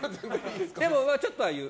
でもちょっとは言う。